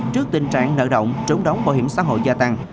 trước tình trạng nợ động trốn đóng bảo hiểm xã hội gia tăng